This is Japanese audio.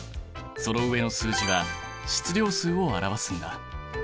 その上の数字は質量数を表すんだ。